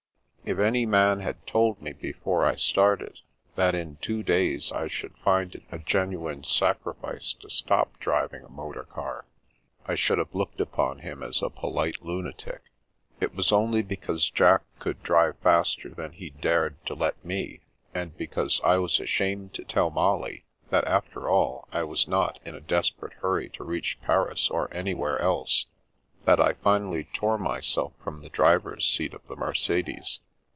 If any man had told me before I started, that in two days I should find it a genuine sacrifice to stop driving a motor car, I should have looked upon him as a polite lunatic. It was only because Jack could drive faster than he dared to let me, and because I was ashamed to tell Molly that after all I was not in a desperate hurry to reach Paris or anywhere else, that I finally tore myself from the driver's seat of the Mercedes.